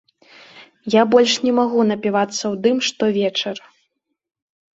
Я больш не магу напівацца ў дым штовечар.